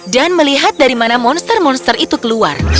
dan melihat dari mana monster monster itu keluar